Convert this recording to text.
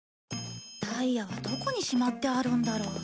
ダイヤはどこにしまってあるんだろう。